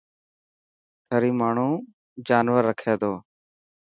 ٿري ماڻهو جانور رکي ٿو.